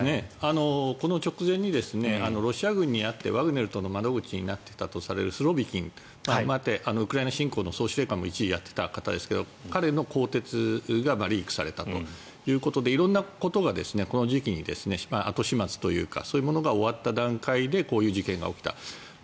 この直前にロシア軍に会ってワグネルとの窓口になっていたとされるスロビキンウクライナ侵攻の総司令官も一時、やっていた方ですが彼の更迭がリークされたということで色んなことがこの時期に後始末というかそういうものが終わった段階でこういう事件が起きた。